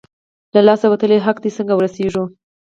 له لاسه وتلی حق دی، څنګه ورسېږو؟